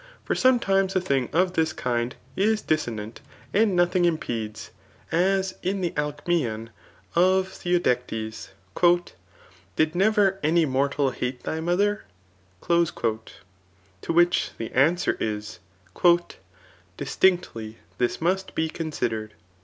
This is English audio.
For sometimes a thing of this kind is disso nant, and nothing impedes ;' as in the Alcms&on of Theodectes. <' Did never anjr nortai hate thy mother ?* To which the answer is, Distinctly this must be considered.'